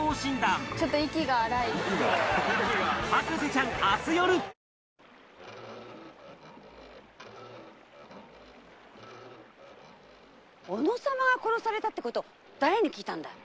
旦那様っ！〕小野様が殺されたってこと誰に聞いたんだい？